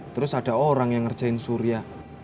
terus ada orang yang ngerjain surya